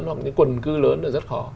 hoặc những quần cư lớn là rất khó